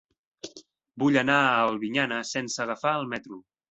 Vull anar a Albinyana sense agafar el metro.